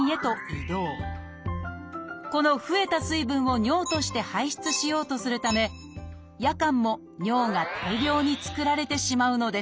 この増えた水分を尿として排出しようとするため夜間も尿が大量に作られてしまうのです。